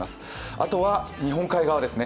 あとは日本海側ですね。